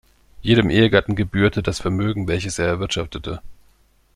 Jedem Ehegatten gebührte das Vermögen, welches er erwirtschaftete.